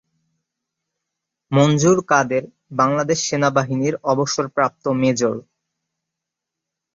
মনজুর কাদের বাংলাদেশ সেনাবাহিনীর অবসরপ্রাপ্ত মেজর।